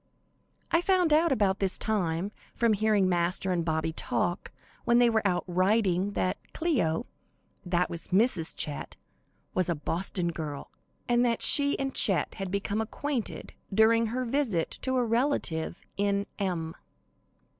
I found out about this time, from hearing Master and Bobby talk, when they were out riding, that "Cleo" that was Mrs. Chet was a Boston girl, and that she and Chet had become acquainted during her visit to a relative in M